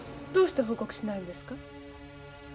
どうして報告しないんですか？